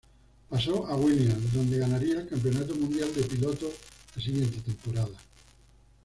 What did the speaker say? Pasó a Williams, donde ganaría el campeonato mundial de pilotos la siguiente temporada.